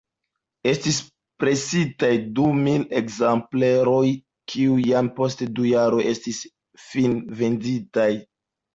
Estis presitaj dumil ekzempleroj, kiuj jam post du jaroj estis finvenditaj.